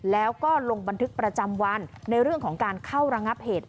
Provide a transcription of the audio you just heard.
แล้วก็ลงบันทึกประจำวันในเรื่องของการเข้าระงับเหตุ